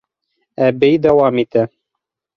Әбей дауам итә: